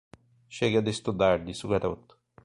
Chega de estudar, disse o garoto.